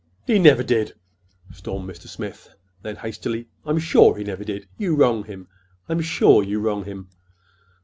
'" "He never did!" stormed Mr. Smith; then, hastily: "I'm sure he never did. You wrong him. I'm sure you wrong him."